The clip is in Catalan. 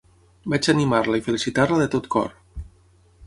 Vaig animar-la i felicitar-la de tot cor.